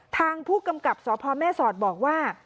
ทางผู้กำกับสพแม่สอดบอกว่า